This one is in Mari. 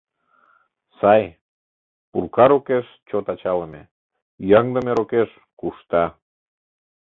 Сай, пурка рокеш — чот ачалыме, ӱяҥдыме рокеш — кушта.